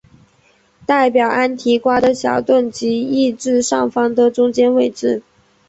代表安提瓜的小盾即移至上方的中间位置。